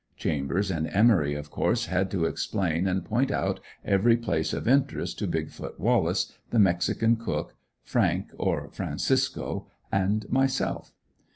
Chambers and Emory of course had to explain and point out every place of interest, to "Big foot Wallace," the mexican cook, Frank, or Francisco, and myself.